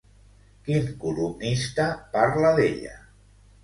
Quin columnista parla d'ella?